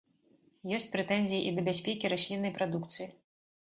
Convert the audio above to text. Ёсць прэтэнзіі і да бяспекі расліннай прадукцыі.